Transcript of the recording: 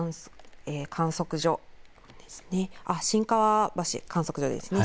新川橋観測所です。